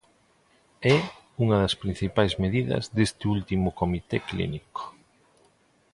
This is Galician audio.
É unha das principais medidas deste último comité clínico.